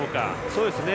そうですね。